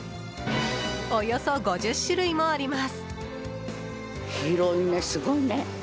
およそ５０種類もあります。